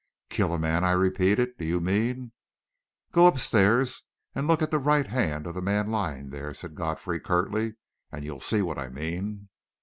"Kill a man?" I repeated. "Do you mean...." "Go upstairs and look at the right hand of the man lying there," said Godfrey, curtly, "and you'll see what I mean!"